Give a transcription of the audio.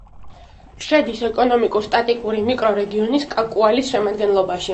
შედის ეკონომიკურ-სტატისტიკურ მიკრორეგიონ კაკუალის შემადგენლობაში.